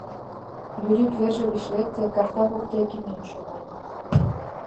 Юрик верже гыч лекте, карта воктеке миен шогале.